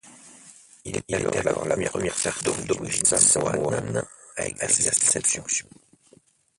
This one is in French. Il est alors la première personne d'origine samoane à exercer cette fonction.